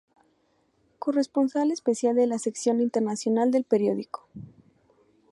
Corresponsal especial de la sección internacional del periódico.